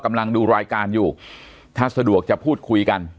ดูรายการอยู่ถ้าสะดวกจะพูดคุยกัน